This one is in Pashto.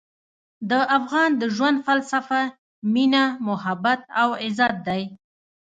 د افغان د ژوند فلسفه مینه، محبت او عزت دی.